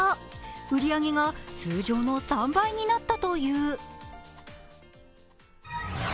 売り上げが通常の３倍になったという。